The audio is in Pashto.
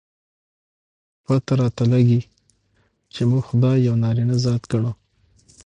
پته راته لګي، چې موږ خداى يو نارينه ذات ګڼو.